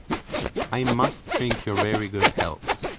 I must drink your very good healths.